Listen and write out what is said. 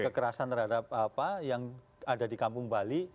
kekerasan terhadap apa yang ada di kampung bali